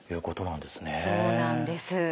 そうなんです。